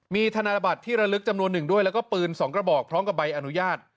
มีธนบัตรที่ระลึกจำนวนหนึ่งด้วยแล้วก็ปืน๒กระบอกพร้อมกับใบอนุญาต